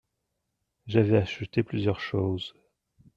J’avais acheté plusieurs choses.